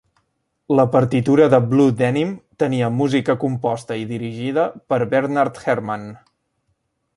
La partitura de "Blue Denim" tenia música composta i dirigida per Bernard Herrmann.